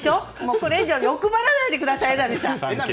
これ以上、欲張らないでください榎並さん！